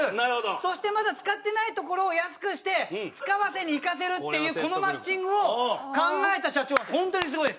そしてまた使ってないところを安くして使わせにいかせるっていうこのマッチングを考えた社長はホントにすごいです。